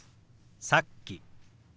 「さっき」。